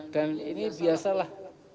dan ini biasalah